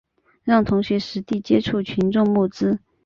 让同学实地接触群众募资